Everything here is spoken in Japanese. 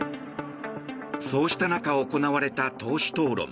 そうした中、行われた党首討論。